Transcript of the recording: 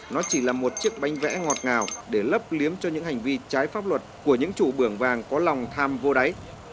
nó chỉ là một chiếc bánh vẽ ngọt ngào để lấp liếm cho những hành vi trái pháp luật của những chủ bưởng vàng có lòng tham vô đáy